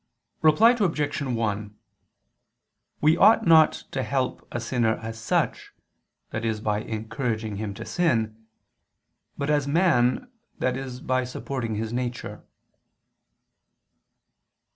Reply Obj. 1: We ought not to help a sinner as such, that is by encouraging him to sin, but as man, that is by supporting his nature.